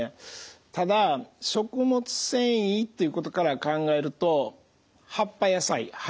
ただ食物繊維っていうことから考えると葉っぱ野菜葉